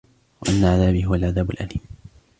وأن عذابي هو العذاب الأليم